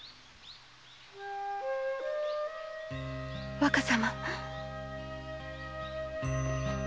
若様。